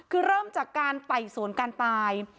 คือเริ่มจากการไต่สวนการตาย